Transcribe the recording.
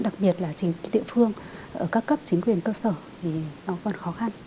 đặc biệt là địa phương ở các cấp chính quyền cơ sở thì nó còn khó khăn